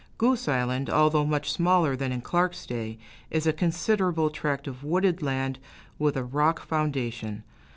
Goose Island, although much smaller than in Clark's day, is a considerable tract of wooded land, with a rock foundation.